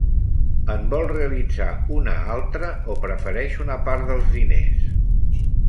En vol realitzar una altra o prefereix una part dels diners?